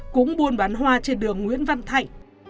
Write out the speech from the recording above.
cúng buôn bán hoa trên đường nguyễn văn thạnh